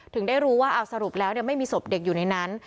ถึงได้รู้ว่าเอาสรุปแล้วไม่มีศพเด็กอยู่ในนั้น